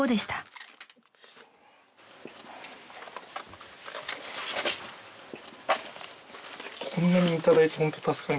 こんなに頂いてホント助かりますね。